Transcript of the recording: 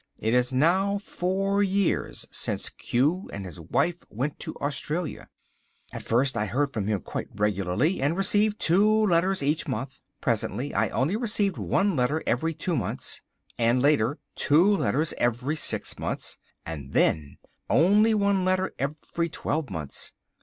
It is now four years since Q and his wife went to Australia. At first I heard from him quite regularly, and received two letters each month. Presently I only received one letter every two months, and later two letters every six months, and then only one letter every twelve months.